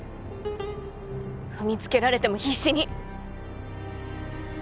踏みつけられても必死に！